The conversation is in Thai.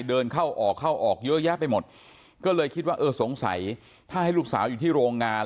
เดินเข้าออกเข้าออกเยอะแยะไปหมดก็เลยคิดว่าเออสงสัยถ้าให้ลูกสาวอยู่ที่โรงงาน